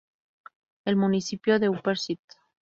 El municipio de Upper St.